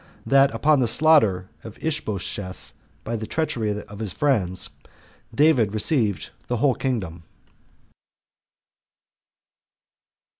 That Upon The Slaughter Of Ishbosheth By The Treachery Of His Friends, David Received The Whole Kingdom.